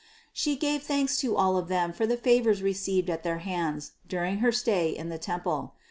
She gave thanks to all of them for the favors received at their hands dur ing her stay in the temple.